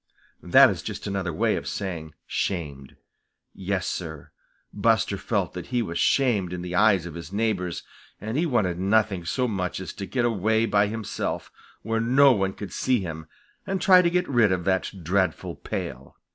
That is just another way of saying shamed. Yes, Sir, Buster felt that he was shamed in the eyes of his neighbors, and he wanted nothing so much as to get away by himself, where no one could see him, and try to get rid of that dreadful pail.